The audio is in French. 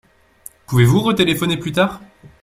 Pouvez-vous retéléphoner plus tard ?